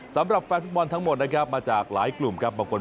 สำหรับแฟนฟุตบอลทั้งหมดนะครับมาจากหลายกลุ่มครับบางคน